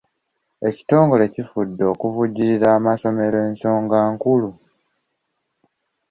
Ekitongole kifudde okuvujjirira amasomero ensonga enkulu.